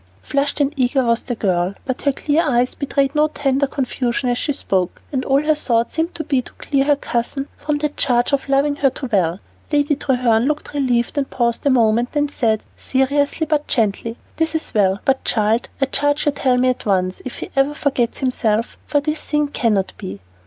Flushed and eager was the girl, but her clear eyes betrayed no tender confusion as she spoke, and all her thought seemed to be to clear her cousin from the charge of loving her too well. Lady Treherne looked relieved, paused a moment, then said, seriously but gently, "This is well, but, child, I charge you tell me at once, if ever he forgets himself, for this thing cannot be.